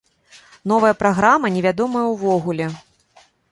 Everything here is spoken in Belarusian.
Новая праграма невядомая ўвогуле.